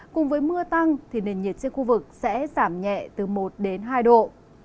cùng với mưa tăng nền nhiệt trên khu vực sẽ giảm nhẹ từ một hai độ